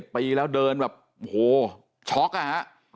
ปีแล้วเดินแบบโอ้โหช็อกอ่ะฮะ